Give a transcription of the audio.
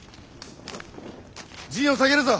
陣を下げるぞ。